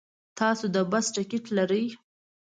تاسو د بس ټکټ لرئ؟